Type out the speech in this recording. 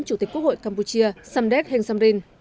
chủ tịch quốc hội campuchia samdet heng samrin